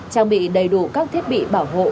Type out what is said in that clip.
trang bị đầy đủ các thiết bị bảo hộ